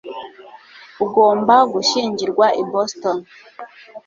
ugomba gushyingirwa i boston